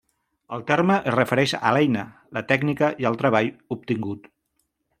El terme es refereix a l'eina, la tècnica i el treball obtingut.